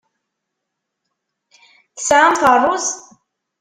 Tesɛamt ṛṛuz?